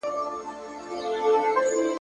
زه پرون درسونه اورم وم،